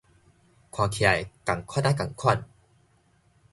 看起來仝款仔仝款